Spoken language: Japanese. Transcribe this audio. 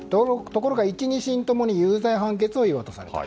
ところが１、２審ともに有罪判決を言い渡された。